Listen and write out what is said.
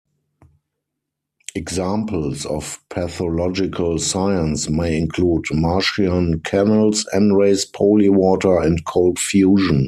Examples of pathological science may include Martian canals, N-rays, polywater, and cold fusion.